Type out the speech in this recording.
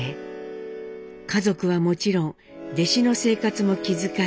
家族はもちろん弟子の生活も気遣い